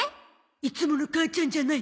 いつもの母ちゃんじゃない。